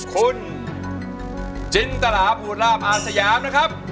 คุณจิ้นตระหาภูตรลาภอาชญานะครับ